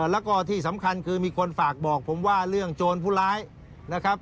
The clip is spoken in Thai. แล้วก็ที่สำคัญคือมีคนฝากบอกผมว่าเรื่องโจรผู้ร้ายนะครับ